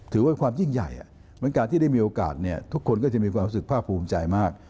ถือว่าความยิ่งใหญ่เหมือนการที่ได้มีโอกาสเนี่ยทุกคนก็จะมีความรู้สึกภาคภูมิใจมาก